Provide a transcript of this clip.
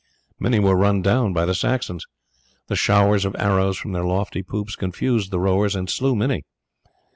Many were run down by the Saxons. The showers of arrows from their lofty poops confused the rowers and slew many.